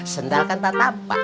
sendalkan tata pak